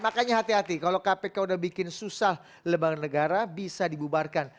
makanya hati hati kalau kpk udah bikin susah lembaga negara bisa dibubarkan